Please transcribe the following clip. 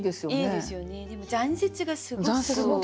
でも「残雪」がすごく。